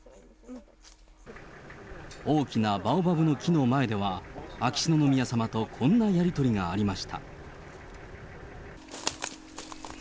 大きなバオバブの木の前では、秋篠宮さまとこんなやり取りがありました。